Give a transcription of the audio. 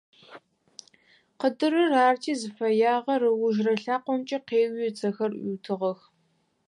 Къыдырыр арыти зыфэягъэр, ыужырэ лъакъомкӀэ къеуи, ыцэхэр Ӏуиутыгъэх.